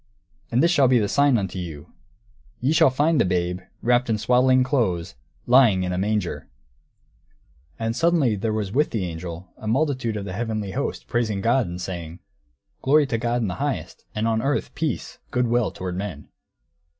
_ And this shall be a sign unto you: ye shall find the babe, wrapped in swaddling clothes, lying in a manger." And suddenly there was with the angel a multitude of the heavenly host, praising God, and saying, "Glory to God in the highest, and on earth peace, good will toward men."